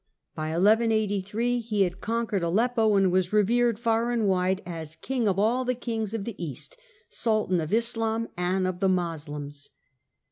By 1183 he had conquered Aleppo and was revered far and wide as " King of all the kings of the East," " Sultan of Islam and of the Moslems."